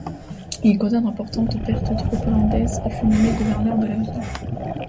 Il causa d'importantes pertes aux troupes hollandaises et fut nommé gouverneur de la ville.